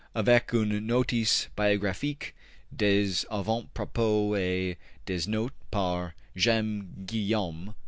Avec une notice biographique, des avant propos et des notes, par James Guillaume.